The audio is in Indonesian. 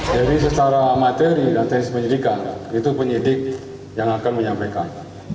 jadi secara materi dan teknis penyidikan itu penyidik yang akan menyampaikan